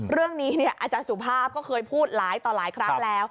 เรื่องนี้อาจารย์สุภาพก็เคยพูดหลายต่อหลายครั้งแล้ว